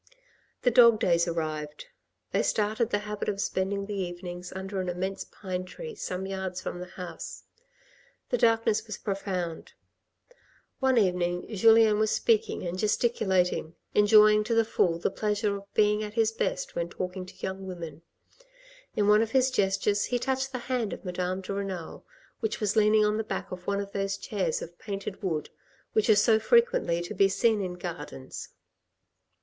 The dog days arrived. They started the habit of spending the evenings under an immense pine tree some yards from the house. The darkness was profound. One evening, Julien was speaking and gesticulating, enjoying to the full the pleasure of being at his best when talking to young women ; in one of his gestures, he touched the hand of Madame de Renal which was leaning on the back of one of those chairs of painted wood, which are so frequently to be seen in gardens.